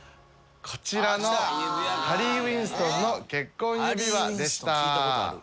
こちらのハリー・ウィンストンの結婚指輪でした。